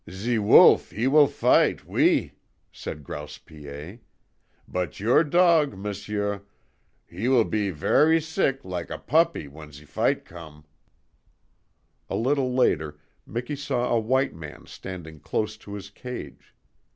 "Ze wolf, he will fight, oui," said Grouse Piet. "But your dog, m'sieu, he be vair seek, lak a puppy, w'en ze fight come!" A little later Miki saw a white man standing close to his cage.